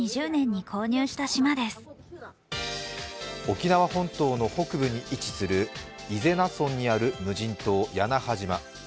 沖縄本島の北部に位置する伊是名村にある無人島、屋那覇島。